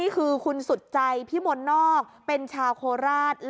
คือคุณสุดใจพิมลนอกเป็นชาวโคราช